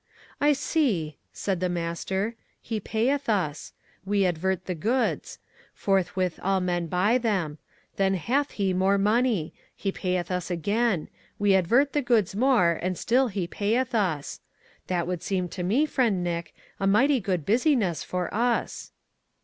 "I see," said the Master, "he payeth us. We advert the goods. Forthwith all men buy them. Then hath he more money. He payeth us again. We advert the goods more and still he payeth us. That would seem to me, friend Nick, a mighty good busyness for us."